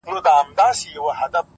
د تجربې اغېز له کتابونو ژور وي.!